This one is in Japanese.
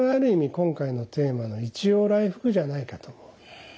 今回のテーマの「一陽来復」じゃないかと思う。